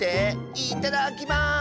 いただきます！